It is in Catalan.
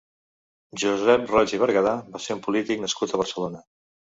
Josep Roig i Bergadà va ser un polític nascut a Barcelona.